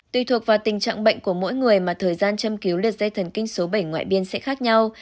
tùy thuộc vào tình trạng bệnh của mỗi người mà thời gian châm cứu lượt dây thần kinh số bảy ngoại biên sẽ khác nhau